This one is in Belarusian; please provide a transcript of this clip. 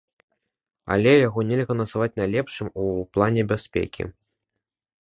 Але яго нельга назваць найлепшым у плане бяспекі.